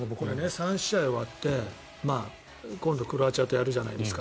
３試合終わって今度クロアチアとやるじゃないですか。